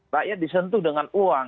rakyat disentuh dengan uang